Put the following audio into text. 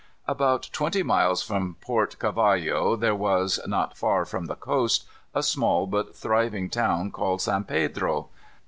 About twenty miles from Port Cavallo there was, not far from the coast, a small but thriving town called San Pedro.